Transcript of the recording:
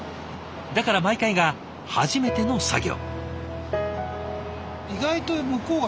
だから毎回が初めての作業。